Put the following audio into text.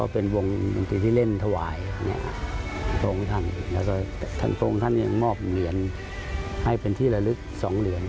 เป็นวงหนวนตรีที่เล่นธวายคุณพ่องท่านยังมอบเหนียนให้เป็นที่ละลึกสองเหลือง